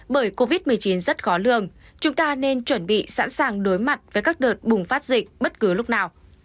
bởi covid một mươi chín rất khó lường chúng ta nên chuẩn bị sẵn sàng đối mặt với các đợt bùng phát dịch bất cứ lúc nào